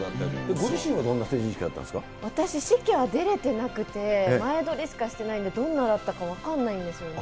ご自身は私、式は出れてなくて、前撮りしかしてないんで、どんなだったか分からないんですよね。